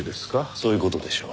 そういう事でしょう。